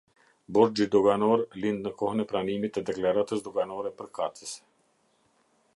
Borxhi doganor lind në kohën e pranimit të deklaratës doganore përkatëse.